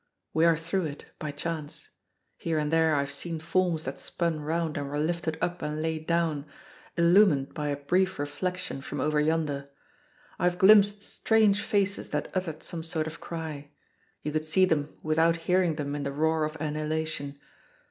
We are through it, by chance. Here and there I have seen forms that spun round and were lifted up and laid down, illumined by a brief reflection from over yonder. I have glimpsed strange faces that uttered some sort of cry you could see them without hearing them in the roar of annihilation.